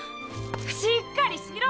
しっかりしろ！